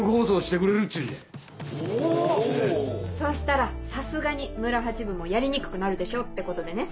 そうしたらさすがに村八分もやりにくくなるでしょうってことでね。